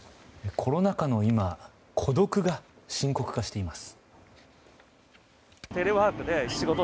コロナ禍の今孤独が深刻化しています。